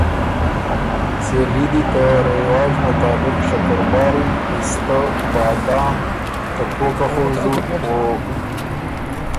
سېلي دي ته رېواج مطابق شکرباری، پِستۀ، بادام، ته پوکه خوژُو او